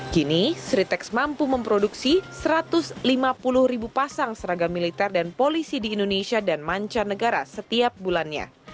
kini sritex mampu memproduksi satu ratus lima puluh ribu pasang seragam militer dan polisi di indonesia dan mancanegara setiap bulannya